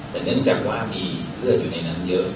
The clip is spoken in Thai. แต่ในจังหวะมีเลือดอยู่ในนั้นเยอะ